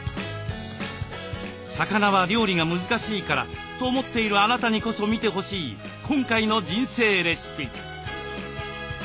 魚は料理が難しいからと思っているあなたにこそ見てほしい今回の「人生レシピ」。